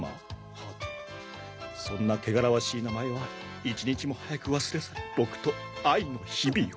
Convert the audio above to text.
はてそんな汚らわしい名前は１日も早く忘れ去り僕と愛の日々を！